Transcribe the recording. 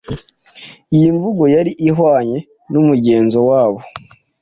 Iyi mvugo yari ihwanye n’umugenzo wabo